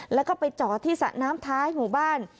แล้วก็ไปจอดที่สระน้ำท้ายหมู่บ้าน